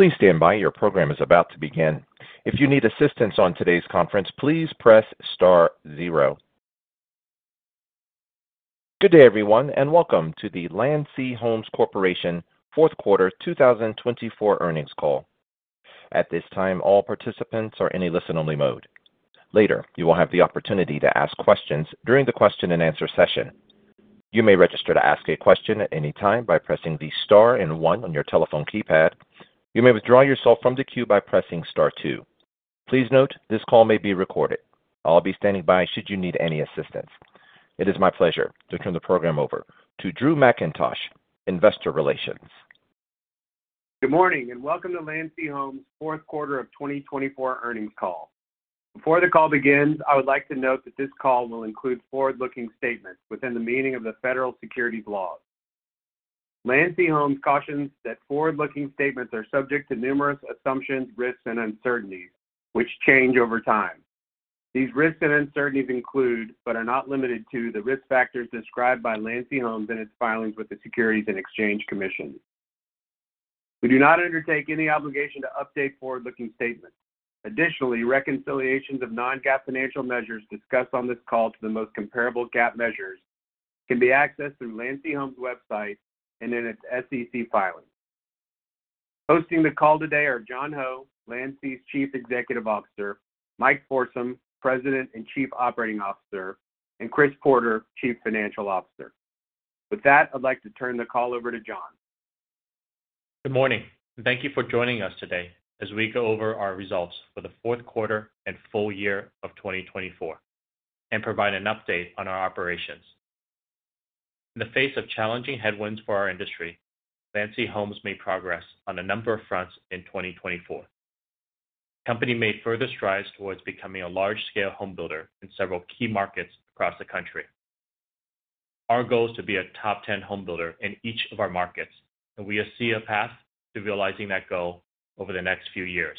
Please stand by, your program is about to begin. If you need assistance on today's conference, please press star zero. Good day, everyone, and welcome to the Landsea Homes Corporation Fourth Quarter 2024 earnings call. At this time, all participants are in a listen-only mode. Later, you will have the opportunity to ask questions during the question-and-answer session. You may register to ask a question at any time by pressing the star and one on your telephone keypad. You may withdraw yourself from the queue by pressing star two. Please note, this call may be recorded. I'll be standing by should you need any assistance. It is my pleasure to turn the program over to Drew Mackintosh, Investor Relations. Good morning, and welcome to Landsea Homes Fourth Quarter of 2024 earnings call. Before the call begins, I would like to note that this call will include forward-looking statements within the meaning of the federal securities laws. Landsea Homes cautions that forward-looking statements are subject to numerous assumptions, risks, and uncertainties, which change over time. These risks and uncertainties include, but are not limited to, the risk factors described by Landsea Homes in its filings with the Securities and Exchange Commission. We do not undertake any obligation to update forward-looking statements. Additionally, reconciliations of non-GAAP financial measures discussed on this call to the most comparable GAAP measures can be accessed through Landsea Homes' website and in its SEC filings. Hosting the call today are John Ho, Landsea's Chief Executive Officer, Mike Forsum, President and Chief Operating Officer, and Chris Porter, Chief Financial Officer. With that, I'd like to turn the call over to John. Good morning, and thank you for joining us today as we go over our results for the fourth quarter and full year of 2024, and provide an update on our operations. In the face of challenging headwinds for our industry, Landsea Homes made progress on a number of fronts in 2024. The company made further strides towards becoming a large-scale homebuilder in several key markets across the country. Our goal is to be a top-10 homebuilder in each of our markets, and we see a path to realizing that goal over the next few years.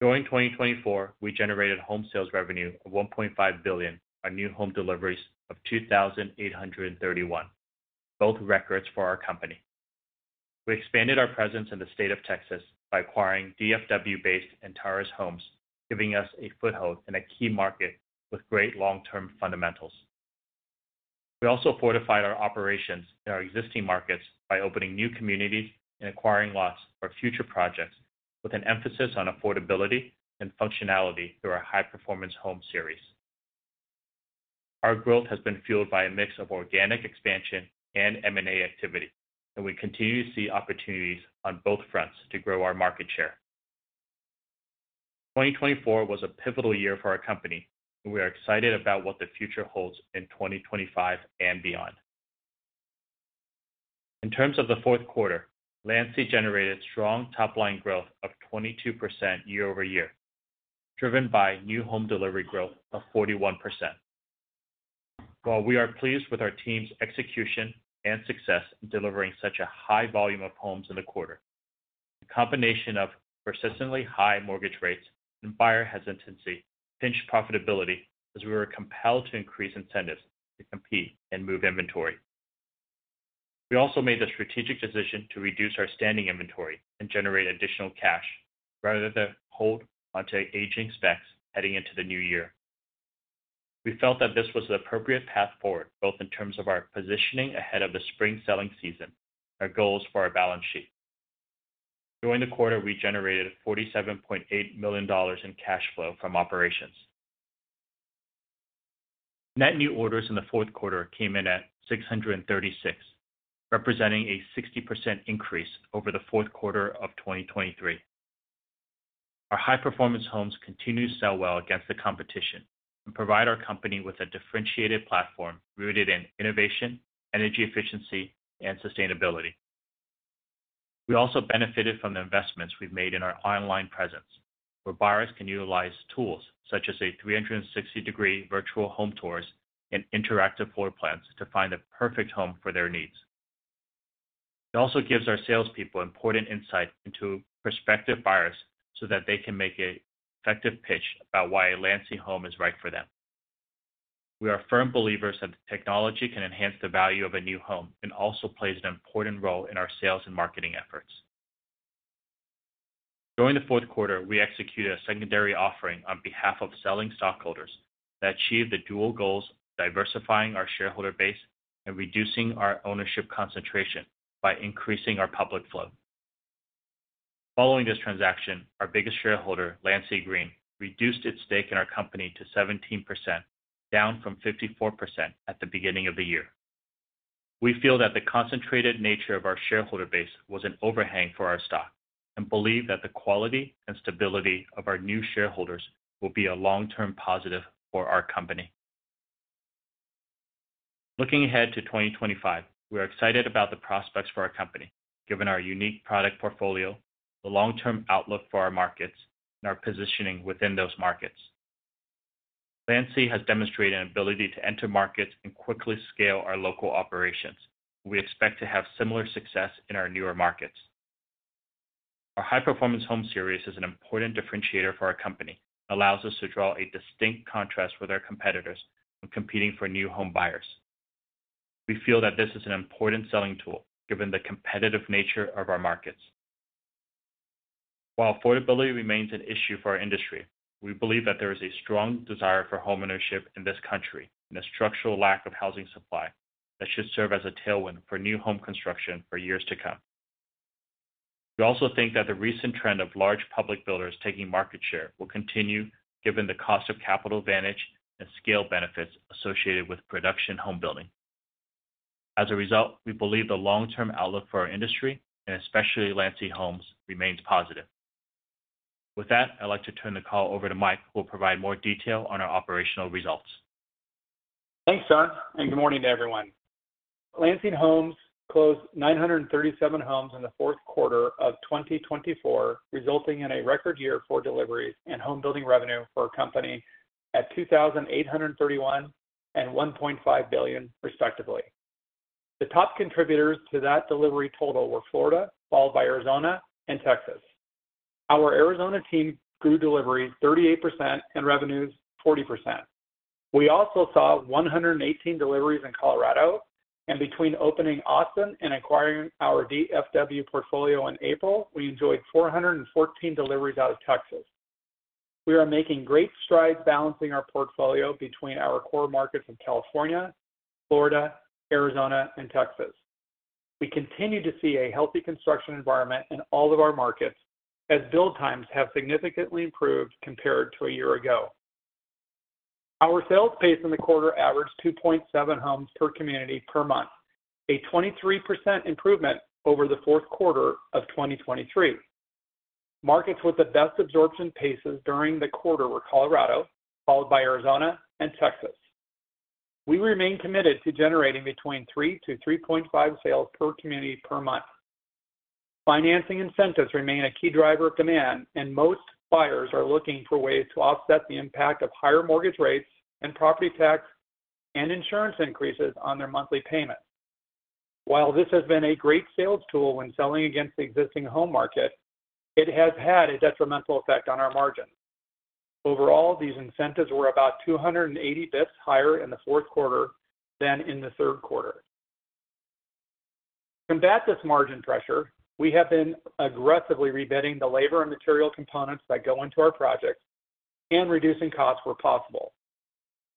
During 2024, we generated home sales revenue of $1.5 billion by new home deliveries of 2,831, both records for our company. We expanded our presence in the state of Texas by acquiring DFW-based Antares Homes, giving us a foothold in a key market with great long-term fundamentals. We also fortified our operations in our existing markets by opening new communities and acquiring lots for future projects, with an emphasis on affordability and functionality through our High Performance Homes. Our growth has been fueled by a mix of organic expansion and M&A activity, and we continue to see opportunities on both fronts to grow our market share. 2024 was a pivotal year for our company, and we are excited about what the future holds in 2025 and beyond. In terms of the fourth quarter, Landsea generated strong top-line growth of 22% year-over-year, driven by new home delivery growth of 41%. While we are pleased with our team's execution and success in delivering such a high volume of homes in the quarter, the combination of persistently high mortgage rates and buyer hesitancy pinched profitability as we were compelled to increase incentives to compete and move inventory. We also made the strategic decision to reduce our standing inventory and generate additional cash rather than hold onto aging specs heading into the new year. We felt that this was the appropriate path forward, both in terms of our positioning ahead of the spring selling season and our goals for our balance sheet. During the quarter, we generated $47.8 million in cash flow from operations. Net new orders in the fourth quarter came in at 636, representing a 60% increase over the fourth quarter of 2023. Our High Performance Homes continue to sell well against the competition and provide our company with a differentiated platform rooted in innovation, energy efficiency, and sustainability. We also benefited from the investments we've made in our online presence, where buyers can utilize tools such as 360-degree virtual home tours and interactive floor plans to find the perfect home for their needs. It also gives our salespeople important insight into prospective buyers so that they can make an effective pitch about why a Landsea home is right for them. We are firm believers that the technology can enhance the value of a new home and also plays an important role in our sales and marketing efforts. During the fourth quarter, we executed a secondary offering on behalf of selling stockholders that achieved the dual goals of diversifying our shareholder base and reducing our ownership concentration by increasing our public flow. Following this transaction, our biggest shareholder, Landsea Green, reduced its stake in our company to 17%, down from 54% at the beginning of the year. We feel that the concentrated nature of our shareholder base was an overhang for our stock and believe that the quality and stability of our new shareholders will be a long-term positive for our company. Looking ahead to 2025, we are excited about the prospects for our company, given our unique product portfolio, the long-term outlook for our markets, and our positioning within those markets. Landsea has demonstrated an ability to enter markets and quickly scale our local operations, and we expect to have similar success in our newer markets. Our High Performance Homes is an important differentiator for our company and allows us to draw a distinct contrast with our competitors when competing for new home buyers. We feel that this is an important selling tool, given the competitive nature of our markets. While affordability remains an issue for our industry, we believe that there is a strong desire for homeownership in this country and a structural lack of housing supply that should serve as a tailwind for new home construction for years to come. We also think that the recent trend of large public builders taking market share will continue, given the cost of capital advantage and scale benefits associated with production home building. As a result, we believe the long-term outlook for our industry, and especially Landsea Homes, remains positive. With that, I'd like to turn the call over to Mike, who will provide more detail on our operational results. Thanks, John, and good morning to everyone. Landsea Homes closed 937 homes in the fourth quarter of 2024, resulting in a record year for deliveries and home building revenue for our company at 2,831 and $1.5 billion, respectively. The top contributors to that delivery total were Florida, followed by Arizona, and Texas. Our Arizona team grew deliveries 38% and revenues 40%. We also saw 118 deliveries in Colorado, and between opening Austin and acquiring our DFW portfolio in April, we enjoyed 414 deliveries out of Texas. We are making great strides balancing our portfolio between our core markets of California, Florida, Arizona, and Texas. We continue to see a healthy construction environment in all of our markets, as build times have significantly improved compared to a year ago. Our sales pace in the quarter averaged 2.7 homes per community per month, a 23% improvement over the fourth quarter of 2023. Markets with the best absorption paces during the quarter were Colorado, followed by Arizona and Texas. We remain committed to generating between 3 to 3.5 sales per community per month. Financing incentives remain a key driver of demand, and most buyers are looking for ways to offset the impact of higher mortgage rates and property tax and insurance increases on their monthly payments. While this has been a great sales tool when selling against the existing home market, it has had a detrimental effect on our margins. Overall, these incentives were about 280 basis points higher in the fourth quarter than in the third quarter. To combat this margin pressure, we have been aggressively rebidding the labor and material components that go into our projects and reducing costs where possible.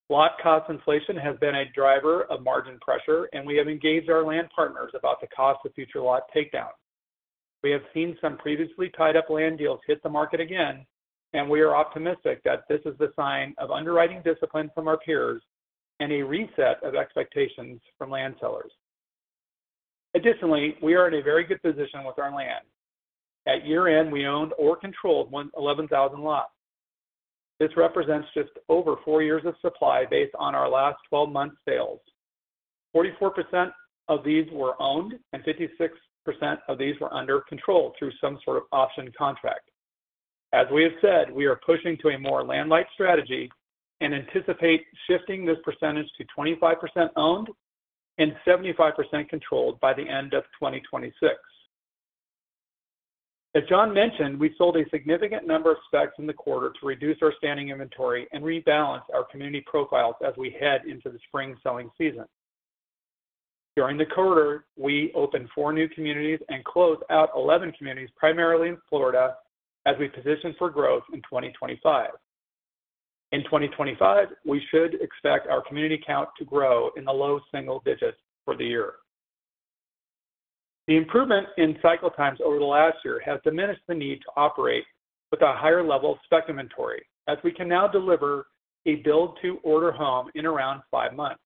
Lot cost inflation has been a driver of margin pressure, and we have engaged our land partners about the cost of future lot takedowns. We have seen some previously tied-up land deals hit the market again, and we are optimistic that this is a sign of underwriting discipline from our peers and a reset of expectations from land sellers. Additionally, we are in a very good position with our land. At year-end, we owned or controlled 11,000 lots. This represents just over four years of supply based on our last 12 months' sales. 44% of these were owned, and 56% of these were under control through some sort of option contract. As we have said, we are pushing to a more land-like strategy and anticipate shifting this percentage to 25% owned and 75% controlled by the end of 2026. As John mentioned, we sold a significant number of specs in the quarter to reduce our standing inventory and rebalance our community profiles as we head into the spring selling season. During the quarter, we opened four new communities and closed out 11 communities, primarily in Florida, as we position for growth in 2025. In 2025, we should expect our community count to grow in the low single digits for the year. The improvement in cycle times over the last year has diminished the need to operate with a higher level of spec inventory, as we can now deliver a build-to-order home in around five months.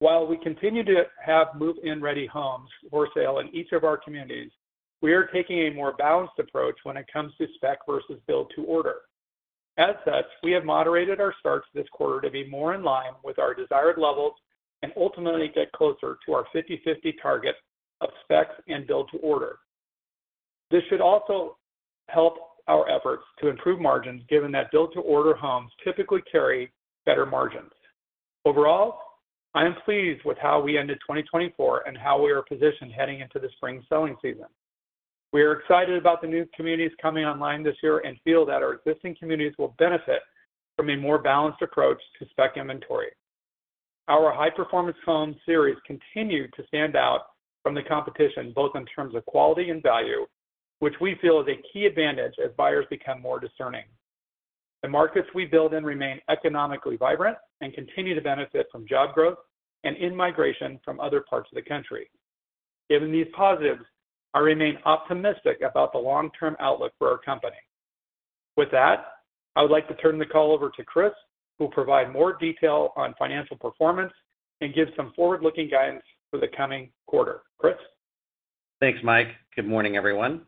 While we continue to have move-in ready homes for sale in each of our communities, we are taking a more balanced approach when it comes to spec versus build-to-order. As such, we have moderated our starts this quarter to be more in line with our desired levels and ultimately get closer to our 50/50 target of specs and build-to-order. This should also help our efforts to improve margins, given that build-to-order homes typically carry better margins. Overall, I am pleased with how we ended 2024 and how we are positioned heading into the spring selling season. We are excited about the new communities coming online this year and feel that our existing communities will benefit from a more balanced approach to spec inventory. Our high-performance home series continued to stand out from the competition, both in terms of quality and value, which we feel is a key advantage as buyers become more discerning. The markets we build in remain economically vibrant and continue to benefit from job growth and in-migration from other parts of the country. Given these positives, I remain optimistic about the long-term outlook for our company. With that, I would like to turn the call over to Chris, who will provide more detail on financial performance and give some forward-looking guidance for the coming quarter. Chris? Thanks, Mike. Good morning, everyone.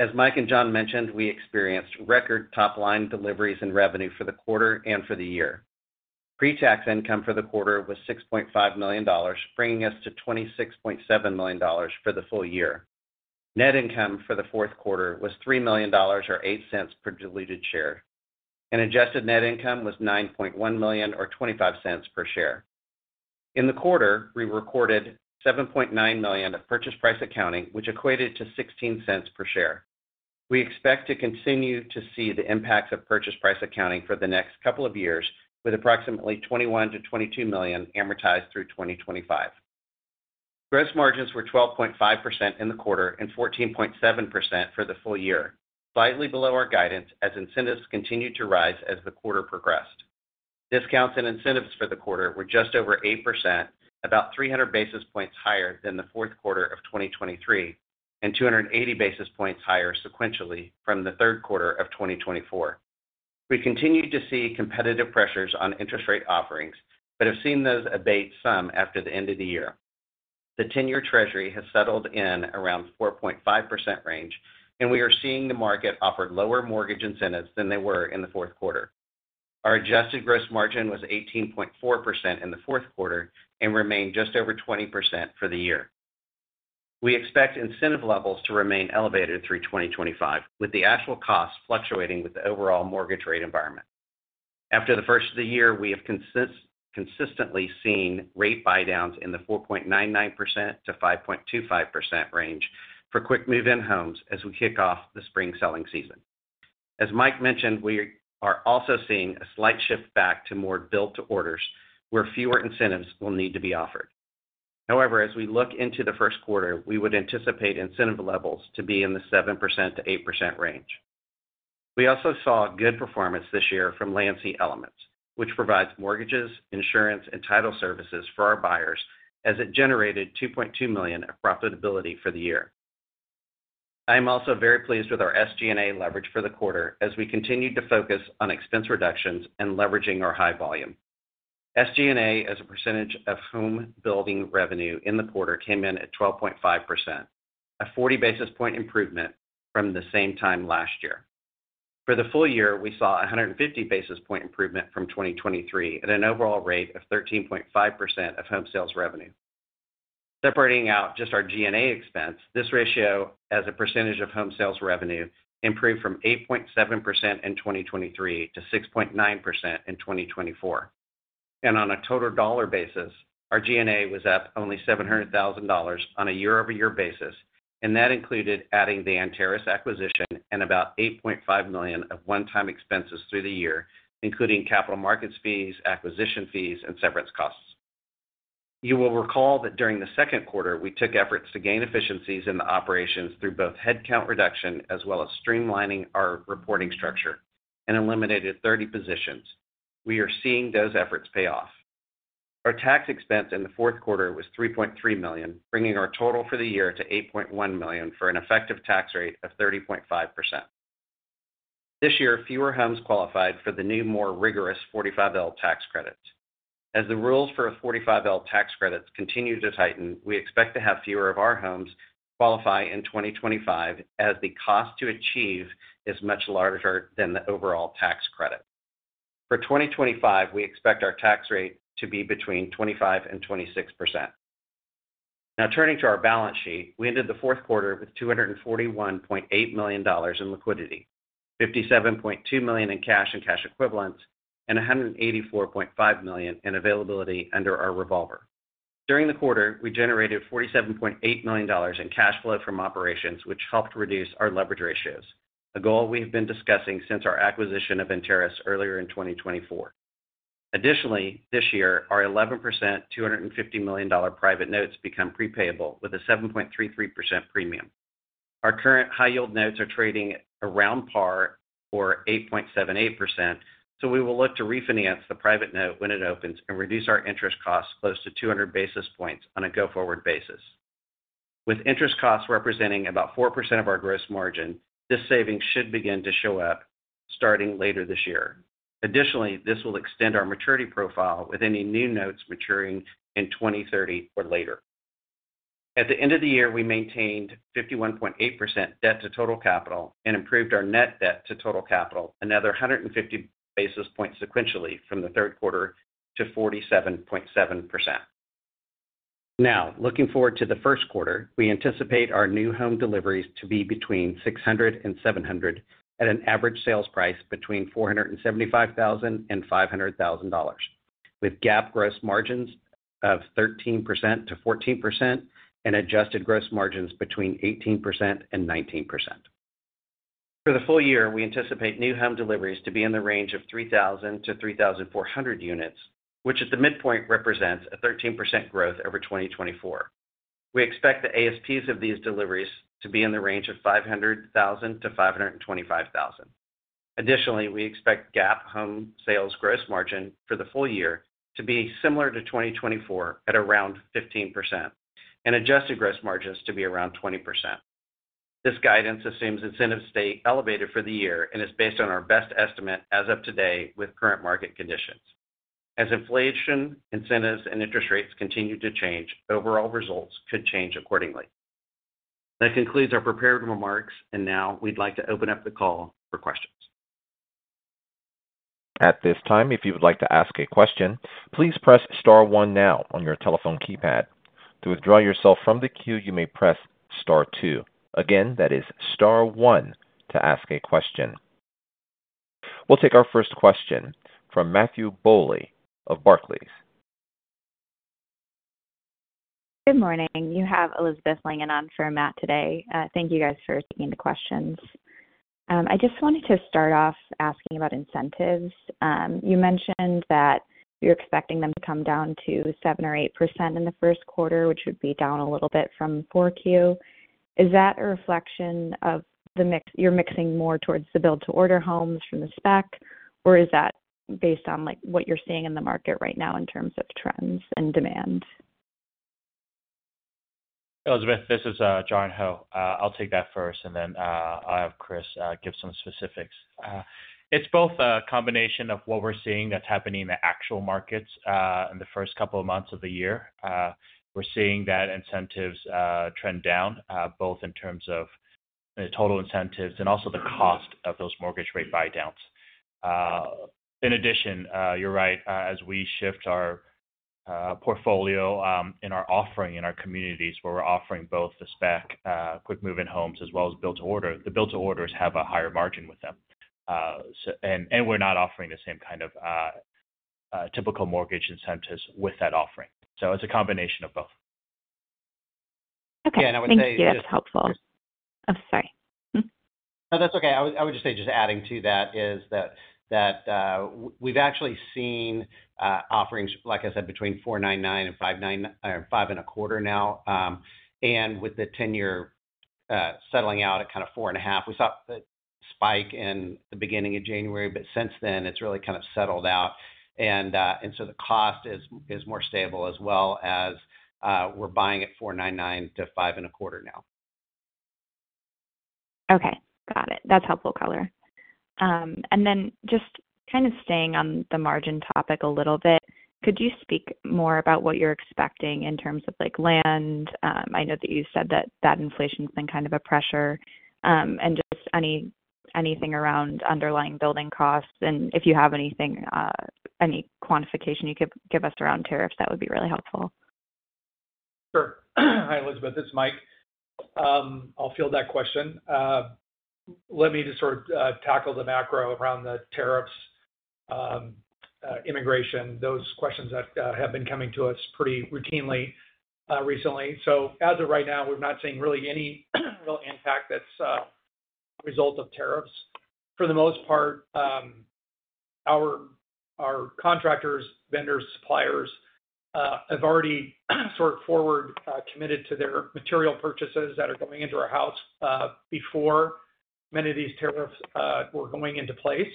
As Mike and John mentioned, we experienced record top-line deliveries and revenue for the quarter and for the year. Pre-tax income for the quarter was $6.5 million, bringing us to $26.7 million for the full year. Net income for the fourth quarter was $3 million or $0.08 per diluted share, and adjusted net income was $9.1 million or $0.25 per share. In the quarter, we recorded $7.9 million of purchase price accounting, which equated to $0.16 per share. We expect to continue to see the impacts of purchase price accounting for the next couple of years, with approximately $21 million-$22 million amortized through 2025. Gross margins were 12.5% in the quarter and 14.7% for the full year, slightly below our guidance as incentives continued to rise as the quarter progressed. Discounts and incentives for the quarter were just over 8%, about 300 basis points higher than the fourth quarter of 2023, and 280 basis points higher sequentially from the third quarter of 2024. We continue to see competitive pressures on interest rate offerings, but have seen those abate some after the end of the year. The 10-year Treasury has settled in around the 4.5% range, and we are seeing the market offer lower mortgage incentives than they were in the fourth quarter. Our adjusted gross margin was 18.4% in the fourth quarter and remained just over 20% for the year. We expect incentive levels to remain elevated through 2025, with the actual costs fluctuating with the overall mortgage rate environment. After the first of the year, we have consistently seen rate buy-downs in the 4.99%-5.25% range for quick-move-in homes as we kick off the spring selling season. As Mike mentioned, we are also seeing a slight shift back to more build-to-orders, where fewer incentives will need to be offered. However, as we look into the first quarter, we would anticipate incentive levels to be in the 7%-8% range. We also saw good performance this year from Landsea Elements, which provides mortgages, insurance, and title services for our buyers, as it generated $2.2 million of profitability for the year. I am also very pleased with our SG&A leverage for the quarter, as we continued to focus on expense reductions and leveraging our high volume. SG&A, as a percentage of home building revenue in the quarter, came in at 12.5%, a 40 basis point improvement from the same time last year. For the full year, we saw a 150 basis point improvement from 2023 at an overall rate of 13.5% of home sales revenue. Separating out just our SG&A expense, this ratio, as a percentage of home sales revenue, improved from 8.7% in 2023 to 6.9% in 2024. On a total dollar basis, our SG&A was up only $700,000 on a year-over-year basis, and that included adding the Antares acquisition and about $8.5 million of one-time expenses through the year, including capital markets fees, acquisition fees, and severance costs. You will recall that during the second quarter, we took efforts to gain efficiencies in the operations through both headcount reduction as well as streamlining our reporting structure, and eliminated 30 positions. We are seeing those efforts pay off. Our tax expense in the fourth quarter was $3.3 million, bringing our total for the year to $8.1 million for an effective tax rate of 30.5%. This year, fewer homes qualified for the new, more rigorous 45L tax credits. As the rules for 45L tax credits continue to tighten, we expect to have fewer of our homes qualify in 2025 as the cost to achieve is much larger than the overall tax credit. For 2025, we expect our tax rate to be between 25% and 26%. Now, turning to our balance sheet, we ended the fourth quarter with $241.8 million in liquidity, $57.2 million in cash and cash equivalents, and $184.5 million in availability under our revolver. During the quarter, we generated $47.8 million in cash flow from operations, which helped reduce our leverage ratios, a goal we have been discussing since our acquisition of Antares earlier in 2024. Additionally, this year, our 11% $250 million private notes become prepayable with a 7.33% premium. Our current high-yield notes are trading around par or 8.78%, so we will look to refinance the private note when it opens and reduce our interest costs close to 200 basis points on a go-forward basis. With interest costs representing about 4% of our gross margin, this saving should begin to show up starting later this year. Additionally, this will extend our maturity profile with any new notes maturing in 2030 or later. At the end of the year, we maintained 51.8% debt to total capital and improved our net debt to total capital another 150 basis points sequentially from the third quarter to 47.7%. Now, looking forward to the first quarter, we anticipate our new home deliveries to be between 600 and 700 at an average sales price between $475,000 and $500,000, with GAAP gross margins of 13% to 14% and adjusted gross margins between 18% and 19%. For the full year, we anticipate new home deliveries to be in the range of 3,000 to 3,400 units, which at the midpoint represents a 13% growth over 2024. We expect the ASPs of these deliveries to be in the range of $500,000-$525,000. Additionally, we expect GAAP home sales gross margin for the full year to be similar to 2024 at around 15% and adjusted gross margins to be around 20%. This guidance assumes incentives stay elevated for the year and is based on our best estimate as of today with current market conditions. As inflation, incentives, and interest rates continue to change, overall results could change accordingly. That concludes our prepared remarks, and now we'd like to open up the call for questions. At this time, if you would like to ask a question, please press star one now on your telephone keypad. To withdraw yourself from the queue, you may press star two. Again, that is star one to ask a question. We'll take our first question from Matthew Bouley of Barclays. Good morning. You have Elizabeth Langan on for Matt today. Thank you guys for taking the questions. I just wanted to start off asking about incentives. You mentioned that you're expecting them to come down to 7% or 8% in the first quarter, which would be down a little bit from 4Q. Is that a reflection of your mixing more towards the build-to-order homes from the spec, or is that based on what you're seeing in the market right now in terms of trends and demand? Elizabeth, this is John Ho. I'll take that first, and then I'll have Chris give some specifics. It's both a combination of what we're seeing that's happening in the actual markets in the first couple of months of the year. We're seeing that incentives trend down, both in terms of total incentives and also the cost of those mortgage rate buy-downs. In addition, you're right, as we shift our portfolio in our offering in our communities where we're offering both the spec quick-move-in homes as well as build-to-order, the build-to-orders have a higher margin with them. And we're not offering the same kind of typical mortgage incentives with that offering. So it's a combination of both. Okay. Yeah, and I would say. Helpful. I'm sorry. No, that's okay. I would just say just adding to that is that we've actually seen offerings, like I said, between 4.99% and 5.99% or 5.25% now. And with the 10-year settling out at kind of 4.5%, we saw a spike in the beginning of January, but since then, it's really kind of settled out. And so the cost is more stable, as well as we're buying at 4.99% to 5.25% now. Okay. Got it. That's helpful color. And then just kind of staying on the margin topic a little bit, could you speak more about what you're expecting in terms of land? I know that you said that inflation's been kind of a pressure and just anything around underlying building costs. And if you have anything, any quantification you could give us around tariffs, that would be really helpful. Sure. Hi, Elizabeth. It's Mike. I'll field that question. Let me just sort of tackle the macro around the tariffs, immigration, those questions that have been coming to us pretty routinely recently. So as of right now, we're not seeing really any real impact that's a result of tariffs. For the most part, our contractors, vendors, suppliers have already sort of forward committed to their material purchases that are going into our house before many of these tariffs were going into place.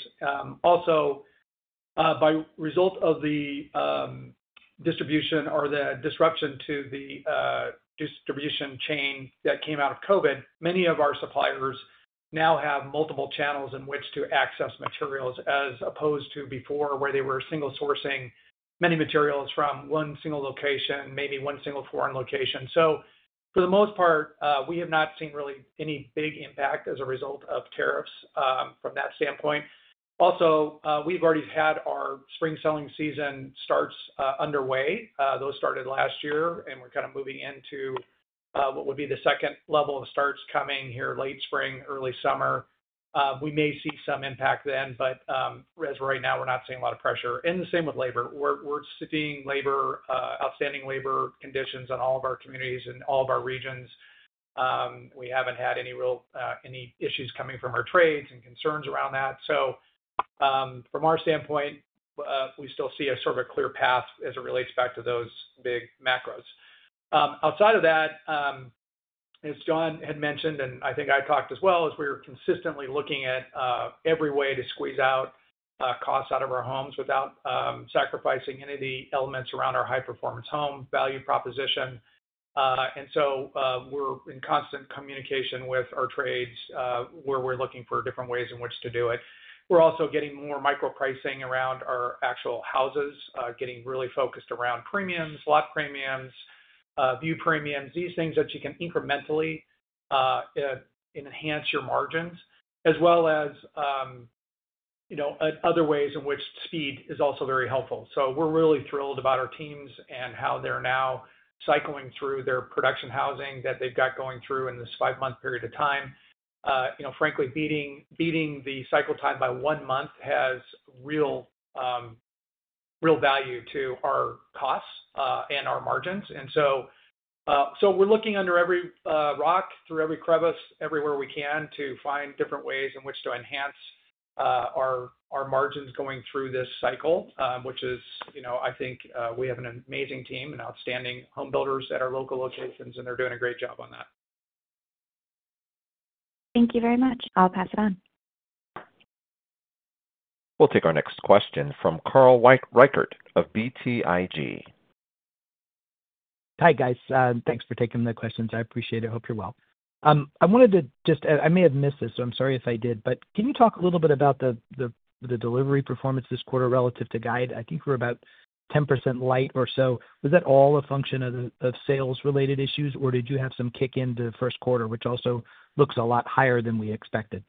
Also, by result of the distribution or the disruption to the distribution chain that came out of COVID, many of our suppliers now have multiple channels in which to access materials, as opposed to before where they were single-sourcing many materials from one single location, maybe one single foreign location. For the most part, we have not seen really any big impact as a result of tariffs from that standpoint. Also, we've already had our spring selling season starts underway. Those started last year, and we're kind of moving into what would be the second level of starts coming here late spring, early summer. We may see some impact then, but as of right now, we're not seeing a lot of pressure. The same with labor. We're seeing outstanding labor conditions in all of our communities and all of our regions. We haven't had any issues coming from our trades and concerns around that. From our standpoint, we still see a sort of a clear path as it relates back to those big macros. Outside of that, as John had mentioned, and I think I talked as well, as we were consistently looking at every way to squeeze out costs out of our homes without sacrificing any of the elements around our high-performance home value proposition, and so we're in constant communication with our trades where we're looking for different ways in which to do it. We're also getting more micro-pricing around our actual houses, getting really focused around premiums, lot premiums, view premiums, these things that you can incrementally enhance your margins, as well as other ways in which speed is also very helpful, so we're really thrilled about our teams and how they're now cycling through their production housing that they've got going through in this five-month period of time. Frankly, beating the cycle time by one month has real value to our costs and our margins. And so we're looking under every rock, through every crevice, everywhere we can to find different ways in which to enhance our margins going through this cycle, which is, I think, we have an amazing team and outstanding home builders at our local locations, and they're doing a great job on that. Thank you very much. I'll pass it on. We'll take our next question from Carl Reichardt of BTIG. Hi, guys. Thanks for taking the questions. I appreciate it. Hope you're well. I wanted to just, I may have missed this, so I'm sorry if I did, but can you talk a little bit about the delivery performance this quarter relative to guide? I think we're about 10% light or so. Was that all a function of sales-related issues, or did you have some kick-in the first quarter, which also looks a lot higher than we expected?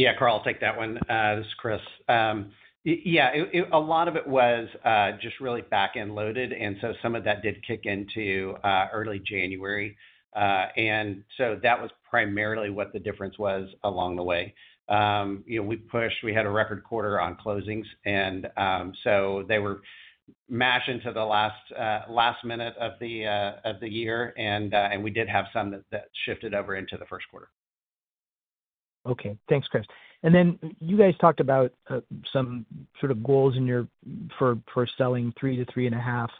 Yeah, Carl, I'll take that one. This is Chris. Yeah, a lot of it was just really back-end loaded, and so some of that did kick into early January. That was primarily what the difference was along the way. We pushed. We had a record quarter on closings, and so they were mashed into the last minute of the year, and we did have some that shifted over into the first quarter. Okay. Thanks, Chris. And then you guys talked about some sort of goals for selling three to three and a half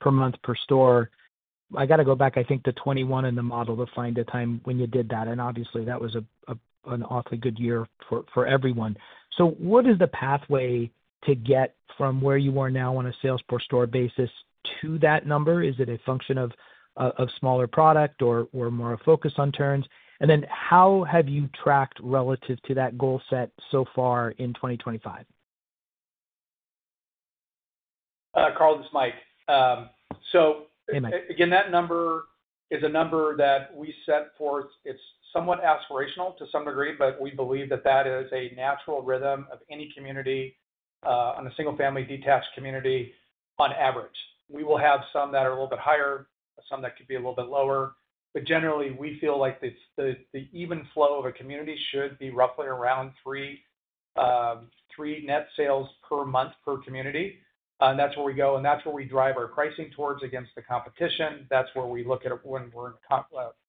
per month per store. I got to go back, I think, to 2021 in the model to find a time when you did that. And obviously, that was an awfully good year for everyone. So what is the pathway to get from where you are now on a sales per store basis to that number? Is it a function of smaller product or more a focus on turns? And then how have you tracked relative to that goal set so far in 2025? Carl, this is Mike. So again, that number is a number that we set forth. It's somewhat aspirational to some degree, but we believe that that is a natural rhythm of any community on a single-family detached community on average. We will have some that are a little bit higher, some that could be a little bit lower. But generally, we feel like the even flow of a community should be roughly around three net sales per month per community. And that's where we go, and that's where we drive our pricing towards against the competition. That's where we look at it when we're in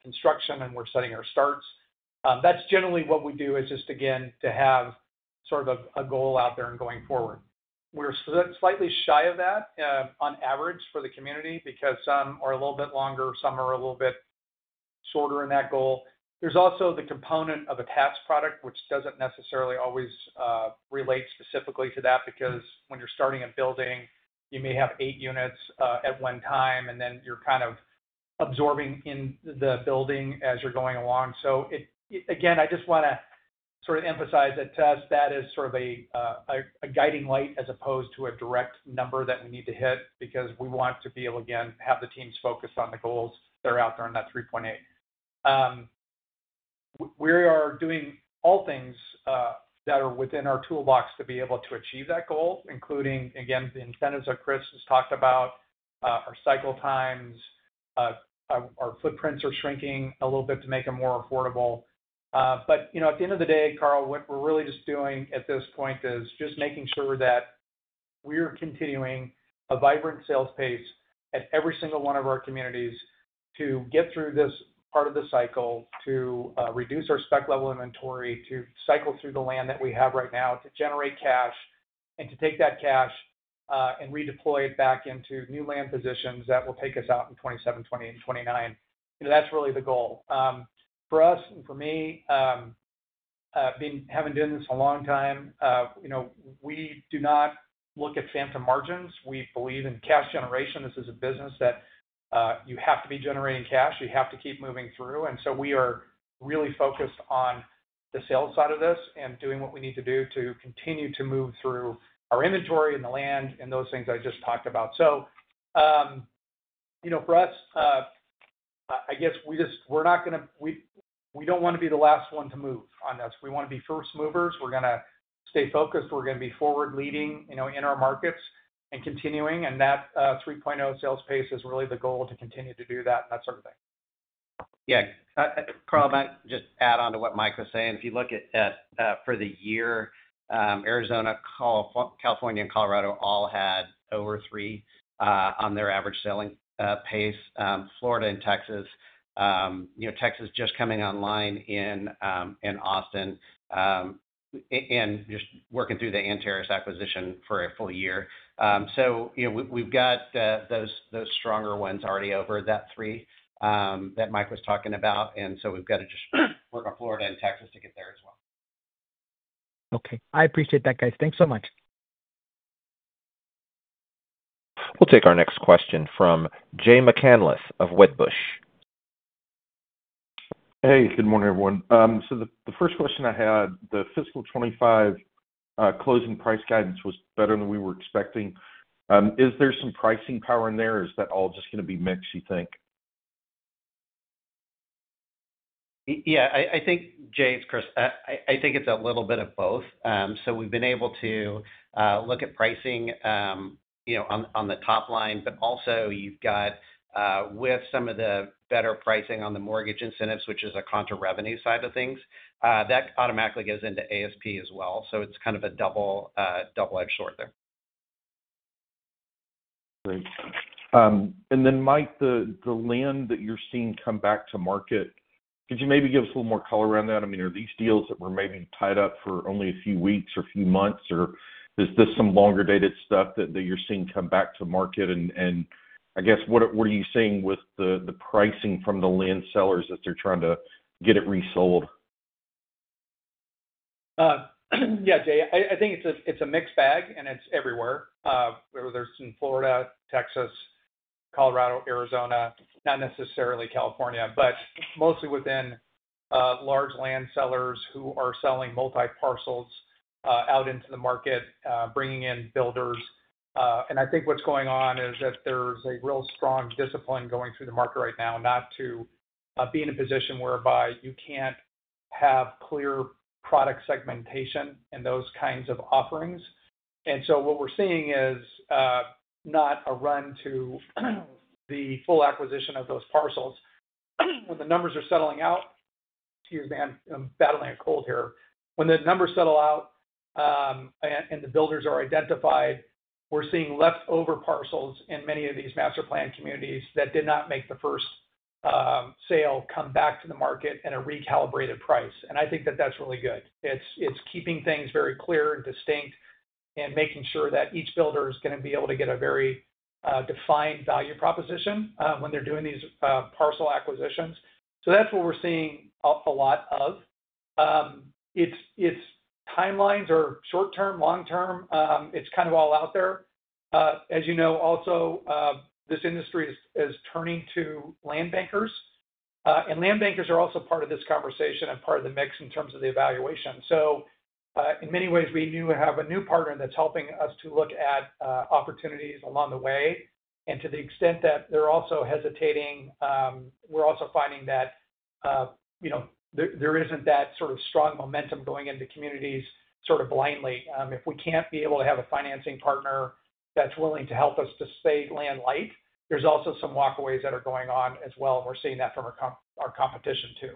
construction and we're setting our starts. That's generally what we do is just, again, to have sort of a goal out there and going forward. We're slightly shy of that on average for the community because some are a little bit longer, some are a little bit shorter in that goal. There's also the component of a tax product, which doesn't necessarily always relate specifically to that because when you're starting a building, you may have eight units at one time, and then you're kind of absorbing in the building as you're going along. So again, I just want to sort of emphasize that to us, that is sort of a guiding light as opposed to a direct number that we need to hit because we want to be able to, again, have the teams focused on the goals that are out there on that 3.8. We are doing all things that are within our toolbox to be able to achieve that goal, including, again, the incentives that Chris has talked about, our cycle times, our footprints are shrinking a little bit to make them more affordable. But at the end of the day, Carl, what we're really just doing at this point is just making sure that we're continuing a vibrant sales pace at every single one of our communities to get through this part of the cycle, to reduce our spec level inventory, to cycle through the land that we have right now, to generate cash, and to take that cash and redeploy it back into new land positions that will take us out in 2027, 2028, and 2029. That's really the goal. For us and for me, having done this a long time, we do not look at phantom margins. We believe in cash generation. This is a business that you have to be generating cash. You have to keep moving through, and so we are really focused on the sales side of this and doing what we need to do to continue to move through our inventory and the land and those things I just talked about, so for us, I guess we're not going to, we don't want to be the last one to move on this. We want to be first movers. We're going to stay focused. We're going to be forward-leading in our markets and continuing, and that 3.0 sales pace is really the goal to continue to do that and that sort of thing. Yeah. Carl, I might just add on to what Mike was saying. If you look at for the year, Arizona, California, and Colorado all had over three on their average selling pace. Florida and Texas, Texas just coming online in Austin and just working through the Antares acquisition for a full year. So we've got those stronger ones already over that three that Mike was talking about. And so we've got to just work on Florida and Texas to get there as well. Okay. I appreciate that, guys. Thanks so much. We'll take our next question from Jay McCanless of Wedbush. Hey, good morning, everyone. So the first question I had, the fiscal 2025 closing price guidance was better than we were expecting. Is there some pricing power in there? Is that all just going to be mixed, you think? Yeah. I think, Jay, it's Chris. I think it's a little bit of both. So we've been able to look at pricing on the top line, but also you've got with some of the better pricing on the mortgage incentives, which is a contra revenue side of things, that automatically goes into ASP as well. So it's kind of a double-edged sword there. Great. And then, Mike, the land that you're seeing come back to market, could you maybe give us a little more color around that? I mean, are these deals that were maybe tied up for only a few weeks or a few months, or is this some longer-dated stuff that you're seeing come back to market? And I guess, what are you seeing with the pricing from the land sellers as they're trying to get it resold? Yeah, Jay, I think it's a mixed bag, and it's everywhere. There's some Florida, Texas, Colorado, Arizona, not necessarily California, but mostly within large land sellers who are selling multi-parcels out into the market, bringing in builders. And I think what's going on is that there's a real strong discipline going through the market right now not to be in a position whereby you can't have clear product segmentation and those kinds of offerings. And so what we're seeing is not a run to the full acquisition of those parcels. When the numbers are settling out, excuse me, I'm battling a cold here, when the numbers settle out and the builders are identified, we're seeing leftover parcels in many of these master-planned communities that did not make the first sale come back to the market at a recalibrated price. And I think that that's really good. It's keeping things very clear and distinct and making sure that each builder is going to be able to get a very defined value proposition when they're doing these parcel acquisitions, so that's what we're seeing a lot of. It's timelines are short-term, long-term. It's kind of all out there. As you know, also, this industry is turning land bankers are also part of this conversation and part of the mix in terms of the evaluation, so in many ways, we knew we have a new partner that's helping us to look at opportunities along the way, and to the extent that they're also hesitating, we're also finding that there isn't that sort of strong momentum going into communities sort of blindly. If we can't be able to have a financing partner that's willing to help us to stay land light, there's also some walkaways that are going on as well. And we're seeing that from our competition too.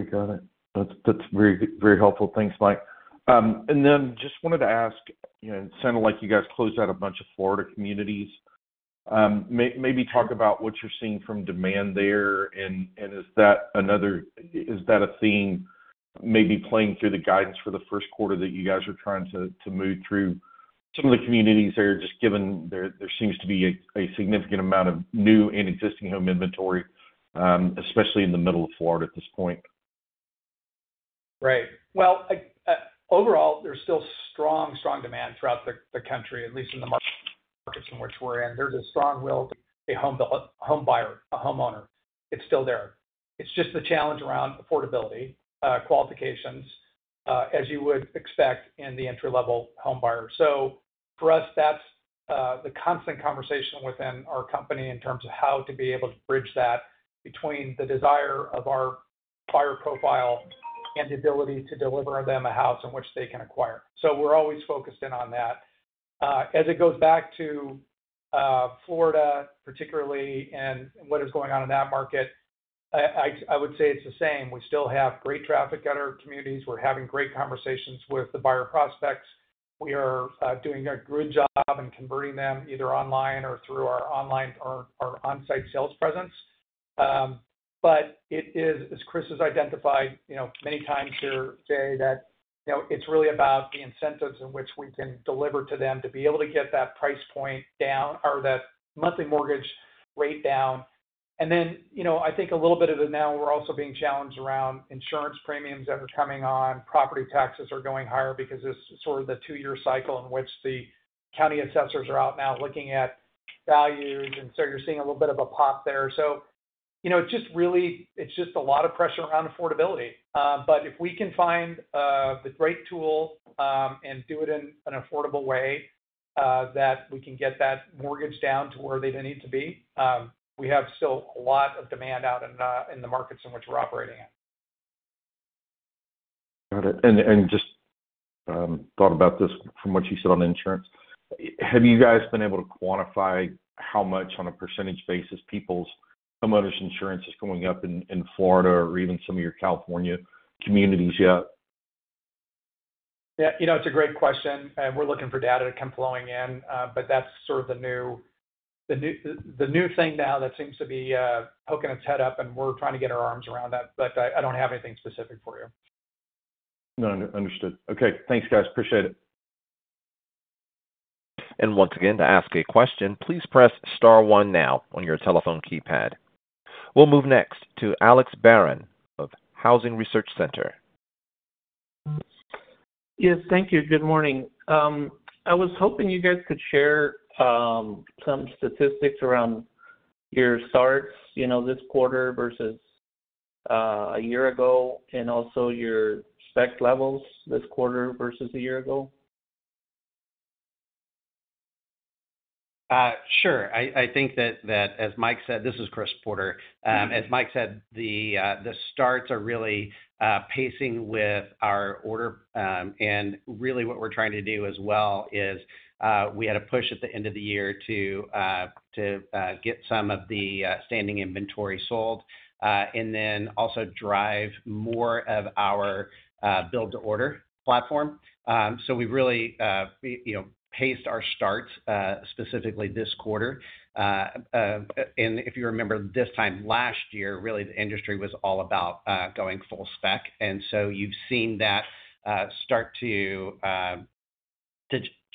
Okay. Got it. That's very helpful. Thanks, Mike. And then just wanted to ask, it sounded like you guys closed out a bunch of Florida communities. Maybe talk about what you're seeing from demand there. And is that a theme maybe playing through the guidance for the first quarter that you guys are trying to move through some of the communities there just given there seems to be a significant amount of new and existing home inventory, especially in the middle of Florida at this point? Right. Well, overall, there's still strong, strong demand throughout the country, at least in the markets in which we're in. There's a strong will. A home buyer, a homeowner. It's still there. It's just the challenge around affordability, qualifications, as you would expect in the entry-level home buyer. So for us, that's the constant conversation within our company in terms of how to be able to bridge that between the desire of our buyer profile and the ability to deliver them a house in which they can acquire. So we're always focused in on that. As it goes back to Florida, particularly, and what is going on in that market, I would say it's the same. We still have great traffic at our communities. We're having great conversations with the buyer prospects. We are doing a good job in converting them either online or through our on-site sales presence. But it is, as Chris has identified many times here, Jay, that it's really about the incentives in which we can deliver to them to be able to get that price point down or that monthly mortgage rate down. And then I think a little bit of it now, we're also being challenged around insurance premiums that are coming on. Property taxes are going higher because it's sort of the two-year cycle in which the county assessors are out now looking at values. And so you're seeing a little bit of a pop there. So it's just really a lot of pressure around affordability. But if we can find the right tool and do it in an affordable way that we can get that mortgage down to where they need to be, we have still a lot of demand out in the markets in which we're operating in. Got it. And just thought about this from what you said on insurance. Have you guys been able to quantify how much, on a percentage basis, people's homeowners insurance is going up in Florida or even some of your California communities yet? Yeah. It's a great question, and we're looking for data to come flowing in, but that's sort of the new thing now that seems to be poking its head up, and we're trying to get our arms around that, but I don't have anything specific for you. No, understood. Okay. Thanks, guys. Appreciate it. Once again, to ask a question, please press star one now on your telephone keypad. We'll move next to Alex Barron of Housing Research Center. Yes, thank you. Good morning. I was hoping you guys could share some statistics around your starts this quarter versus a year ago and also your spec levels this quarter versus a year ago. Sure. I think that, as Mike said, this is Chris Porter, as Mike said, the starts are really pacing with our order, and really, what we're trying to do as well is we had a push at the end of the year to get some of the standing inventory sold and then also drive more of our build-to-order platform, so we really paced our starts specifically this quarter, and if you remember, this time last year, really, the industry was all about going full spec, and so you've seen that start to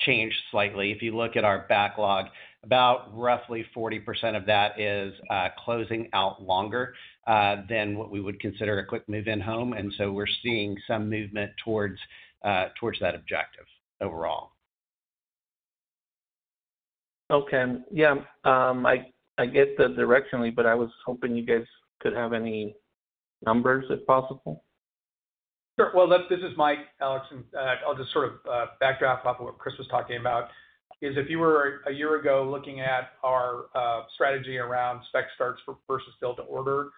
change slightly. If you look at our backlog, about roughly 40% of that is closing out longer than what we would consider a quick-move-in home, and so we're seeing some movement towards that objective overall. Okay. Yeah. I get it directionally, but I was hoping you guys could have any numbers if possible. Sure. Well, this is Mike, Alex, and I'll just sort of build off of what Chris was talking about is if you were a year ago looking at our strategy around spec starts versus build-to-order,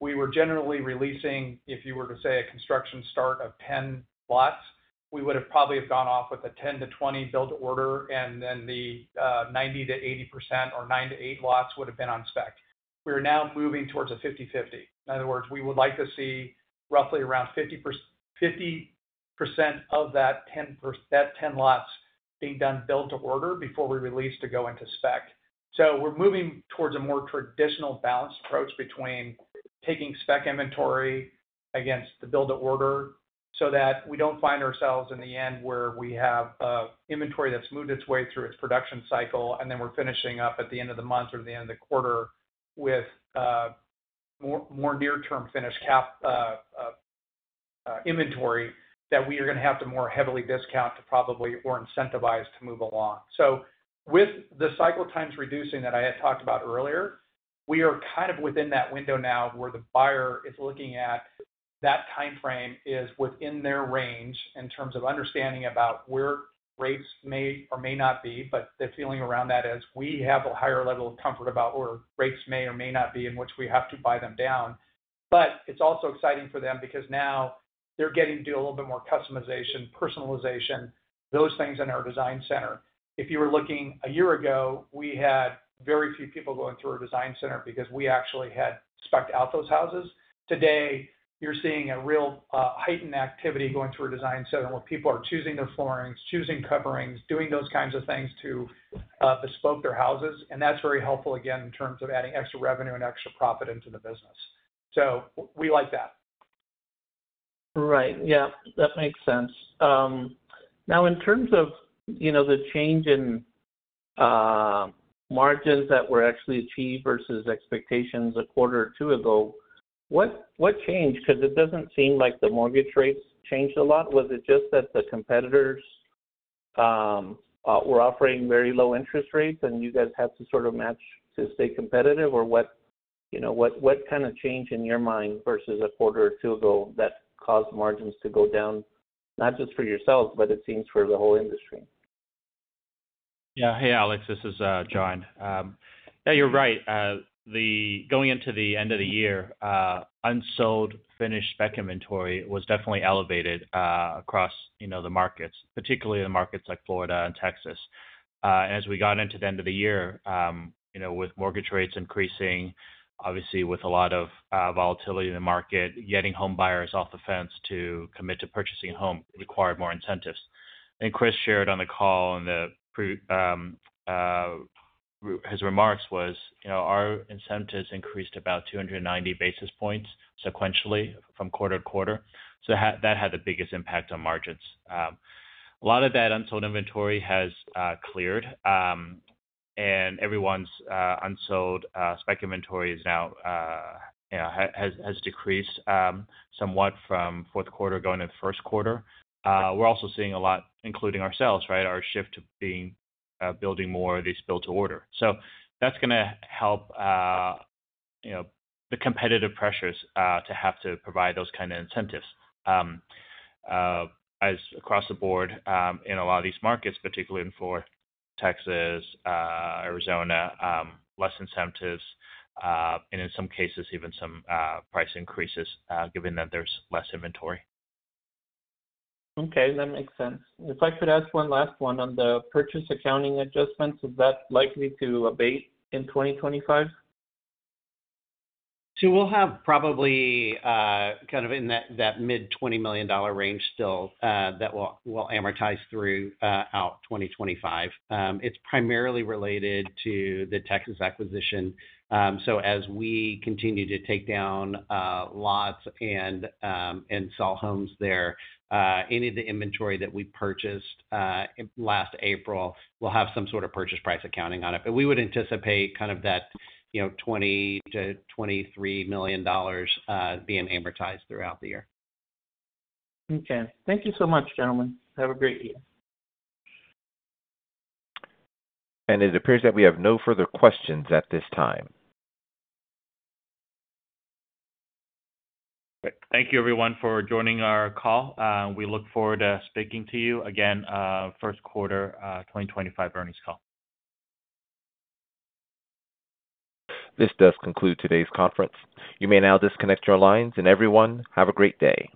we were generally releasing, if you were to say a construction start of 10 lots, we would have probably gone off with a 10 to 20 build-to-order, and then the 90%-80% or nine to eight lots would have been on spec. We are now moving toward a 50/50. In other words, we would like to see roughly around 50% of that 10 lots being done build-to-order before we release to go into spec. So we're moving towards a more traditional balanced approach between taking spec inventory against the build-to-order so that we don't find ourselves in the end where we have inventory that's moved its way through its production cycle, and then we're finishing up at the end of the month or the end of the quarter with more near-term finished inventory that we are going to have to more heavily discount to probably or incentivize to move along. So with the cycle times reducing that I had talked about earlier, we are kind of within that window now where the buyer is looking at that timeframe is within their range in terms of understanding about where rates may or may not be. But the feeling around that is we have a higher level of comfort about where rates may or may not be in which we have to buy them down. But it's also exciting for them because now they're getting to do a little bit more customization, personalization, those things in our design center. If you were looking a year ago, we had very few people going through our design center because we actually had spec'd out those houses. Today, you're seeing a real heightened activity going through our design center where people are choosing their floorings, choosing coverings, doing those kinds of things to bespoke their houses. And that's very helpful again in terms of adding extra revenue and extra profit into the business. So we like that. Right. Yeah. That makes sense. Now, in terms of the change in margins that were actually achieved versus expectations a quarter or two ago, what changed? Because it doesn't seem like the mortgage rates changed a lot. Was it just that the competitors were offering very low interest rates and you guys had to sort of match to stay competitive? Or what kind of changed in your mind versus a quarter or two ago that caused margins to go down, not just for yourselves, but it seems for the whole industry? Yeah. Hey, Alex. This is John. Yeah, you're right. Going into the end of the year, unsold finished spec inventory was definitely elevated across the markets, particularly in markets like Florida and Texas. And as we got into the end of the year, with mortgage rates increasing, obviously with a lot of volatility in the market, getting home buyers off the fence to commit to purchasing a home required more incentives. And Chris shared on the call in his remarks was our incentives increased about 290 basis points sequentially from quarter to quarter. So that had the biggest impact on margins. A lot of that unsold inventory has cleared, and everyone's unsold spec inventory has decreased somewhat from fourth quarter going into the first quarter. We're also seeing a lot, including ourselves, right, our shift to being building more of these build-to-order. So that's going to help the competitive pressures to have to provide those kinds of incentives across the board in a lot of these markets, particularly in Florida, Texas, Arizona, less incentives, and in some cases, even some price increases given that there's less inventory. Okay. That makes sense. If I could ask one last one on the purchase accounting adjustments, is that likely to abate in 2025? We'll have probably kind of in that mid-$20 million range still that will amortize throughout 2025. It's primarily related to the Texas acquisition. As we continue to take down lots and sell homes there, any of the inventory that we purchased last April will have some sort of purchase price accounting on it. But we would anticipate kind of that $20-$23 million being amortized throughout the year. Okay. Thank you so much, gentlemen. Have a great year. It appears that we have no further questions at this time. Thank you, everyone, for joining our call. We look forward to speaking to you again first quarter 2025 earnings call. This does conclude today's conference. You may now disconnect your lines. And everyone, have a great day.